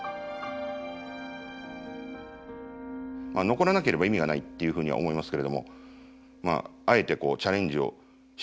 残らなければ意味がないっていうふうには思いますけれどもまああえてチャレンジをしていく。